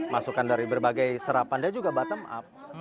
masukan dari berbagai serapan dia juga bottom up